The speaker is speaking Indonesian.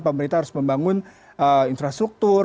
pemerintah harus membangun infrastruktur